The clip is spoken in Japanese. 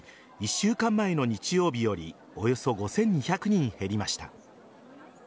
１週間前の日曜日よりおよそ５２００人減りました。